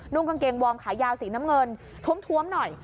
กางเกงวอร์มขายาวสีน้ำเงินท้วมหน่อย